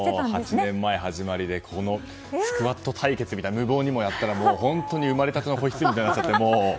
８年前、このスクワット対決を無謀にもやったら本当に生まれたての子羊みたいになっちゃって。